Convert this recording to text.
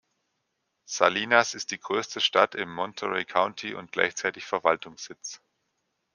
Salinas ist die größte Stadt im Monterey County und gleichzeitig Verwaltungssitz.